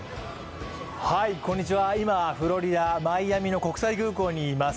今、フロリダ、マイアミの国際空港にいます。